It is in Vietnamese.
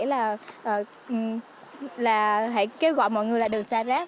là hãy kêu gọi mọi người đừng xa rác